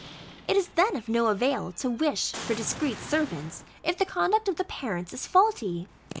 It is then of no avail to wish for discreet servants, if the conduct of the parents is faulty.